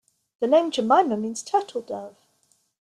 The name Jemima means "turtledove".